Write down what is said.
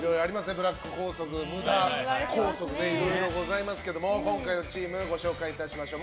ブラック校則、無駄校則いろいろございますけども今回のチームご紹介いたしましょう。